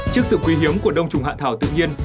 trước sự quý hiếm của đông trùng hạ thảo tự nhiên